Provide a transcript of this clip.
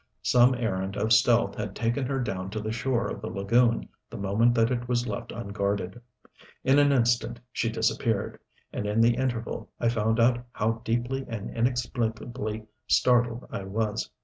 Some errand of stealth had taken her down to the shore of the lagoon the moment that it was left unguarded. In an instant she disappeared, and in the interval I found out how deeply and inexplicably startled I was.